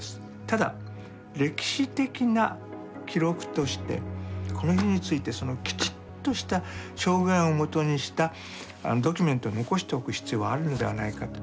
ただ歴史的な記録としてこの日についてきちっとした証言をもとにしたドキュメントを残しておく必要があるのではないかと。